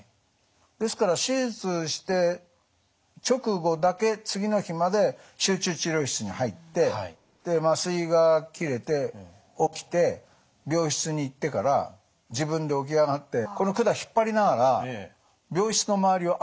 ですから手術して直後だけ次の日まで集中治療室に入ってで麻酔が切れて起きて病室に行ってから自分で起き上がってこの管引っ張りながら病室の周りを歩いてたんですよ。